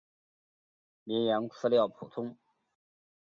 绵羊饲养普通。